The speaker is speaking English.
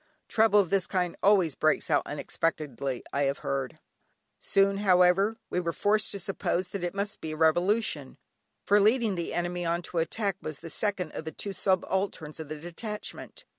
Trouble of this kind always breaks out unexpectedly, I have heard. Soon however, we were forced to suppose that it must be a revolution, for leading the enemy on to attack was the second of the two subalterns of the detachment.